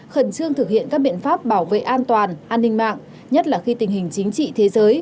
khẩn trương thực hiện các biện pháp bảo vệ an toàn an ninh mạng nhất là khi tình hình chính trị thế giới